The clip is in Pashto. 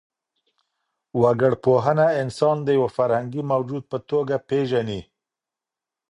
وګړپوهنه انسان د يو فرهنګي موجود په توګه پېژني.